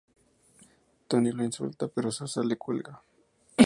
Tony lo insulta pero Sosa le cuelga.